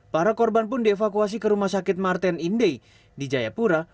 para korban pun dievakuasi ke rumah sakit martin inde di jayapura